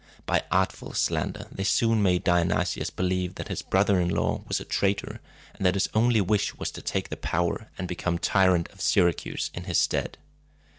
By artful slander they soon made Dionysius believe that his brother in law was a traitor, and that his only wish was to take the power, and become tyrant of Syracuse in his stead.